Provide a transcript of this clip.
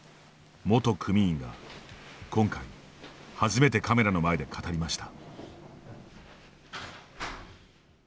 元組員が、今回初めてカメラの前で語りました。